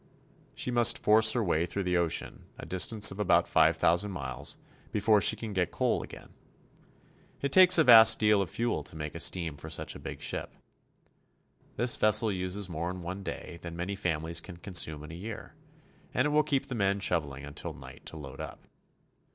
She must force her way through the ocean, a distance of about five thousand miles, before she can get coal again. It takes a vast deal of fuel to make steam for such a big ship. This vessel uses more in one day than many families can consume in a year, and it will keep the men shoveling until night to load up.